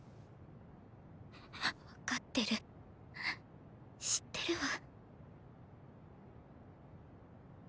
分かってる知ってるわ。